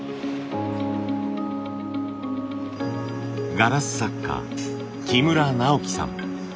ガラス作家木村直樹さん。